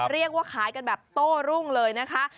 เรียกว่าขายกันแบบโต้รุ่งเลยนะคะ